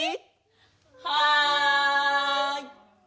はい！